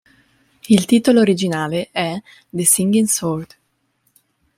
Il titolo originale è "The Singing Sword".